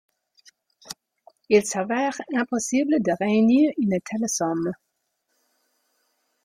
Il s'avère impossible de réunir une telle somme.